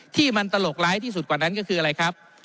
ที่มันตลกร้ายที่สุดกว่านั้นก็คืออะไรครับ